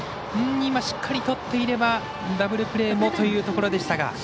今、しっかりとっていればダブルプレーもというところでしたが。